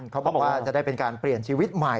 เขาบอกว่าจะได้เป็นการเปลี่ยนชีวิตใหม่